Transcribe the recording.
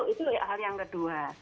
itu hal yang kedua